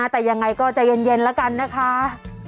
แต่ยังไงก็ใจเย็นแล้วกันนะคะ